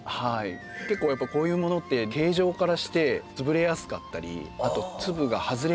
結構やっぱこういうものって形状からして潰れやすかったりあと粒が外れやすかったりとかですね